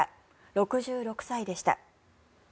６６歳でした。